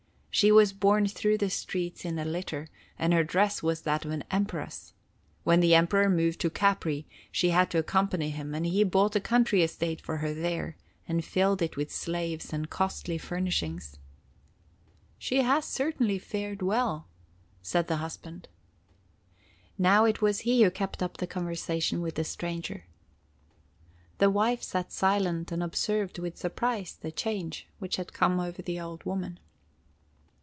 She was borne through the streets in a litter, and her dress was that of an empress. When the Emperor moved to Capri, she had to accompany him, and he bought a country estate for her there, and filled it with slaves and costly furnishings." "She has certainly fared well," said the husband. Now it was he who kept up the conversation with the stranger. The wife sat silent and observed with surprise the change which had come over the old woman.